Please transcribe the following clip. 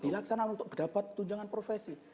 dilaksanakan untuk mendapat tunjangan profesi